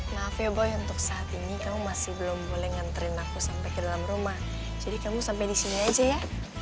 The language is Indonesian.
maaf ya boy untuk saat ini kamu masih belum boleh nganterin aku sampai ke dalam rumah jadi kamu sampai di sini aja ya